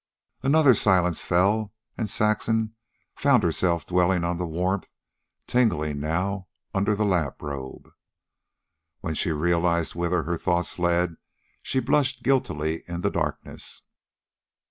Another silence fell, and Saxon found herself dwelling on the warmth, tingling now, under the lap robe. When she realized whither her thoughts led, she blushed guiltily in the darkness.